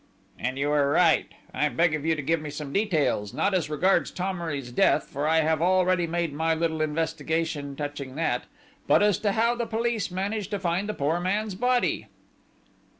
"And you are right. I beg of you to give me some details, not as regards Thomery's death, for I have already made my little investigation touching that; but as to how the police managed to find the poor man's body."